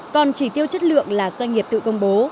còn chỉ tiêu chất lượng là doanh nghiệp tự công bố